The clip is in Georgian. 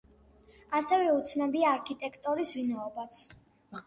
ასევე უცნობია არქიტექტორის ვინაობაც.